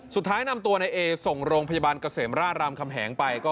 สุดท้ายนำตัวในเอส่งโรงพยาบาลเกษมราชรามคำแหงไป